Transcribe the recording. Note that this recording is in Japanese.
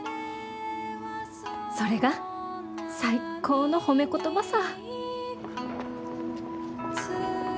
それが最高の褒め言葉さ。